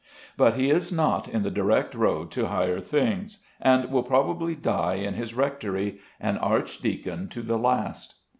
But he is not on the direct road to higher things, and will probably die in his rectory, an archdeacon to the last.